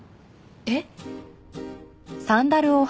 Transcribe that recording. えっ？